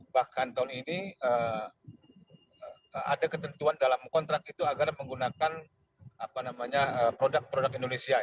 bahkan tahun ini ada ketentuan dalam kontrak itu agar menggunakan produk produk indonesia